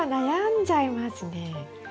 悩んじゃいますね。